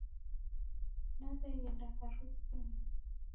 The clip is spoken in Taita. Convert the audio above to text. Naw'eghenda harusinyi.